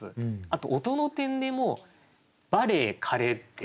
あと音の点でもう「バレー」「カレー」って。